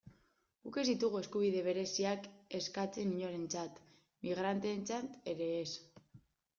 Guk ez ditugu eskubide bereziak eskatzen inorentzat, migranteentzat ere ez.